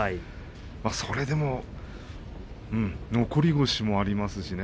それでも残り腰もありますしね。